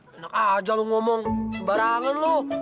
wah enak aja lu ngomong sebarangan lu